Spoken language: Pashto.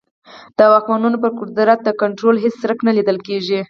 د واکمنانو پر قدرت د کنټرول هېڅ څرک نه لیدل کېږي.